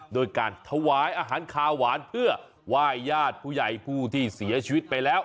โดยการถวายอาหารคาหวานเพื่อไหว้ญาติผู้ใหญ่ผู้ที่เสียชีวิตไปแล้ว